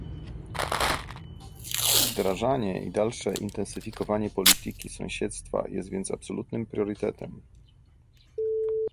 Wdrażanie i dalsze intensyfikowanie polityki sąsiedztwa jest więc absolutnym priorytetem